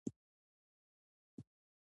ښوروا د کورني اتحاد نښه ده.